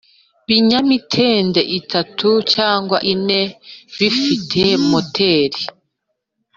binyamitende itatu cyangwa ine bifite moteri